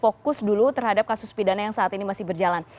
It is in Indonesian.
dan juga harus fokus dulu terhadap kasus pidana yang saat ini masih berjalan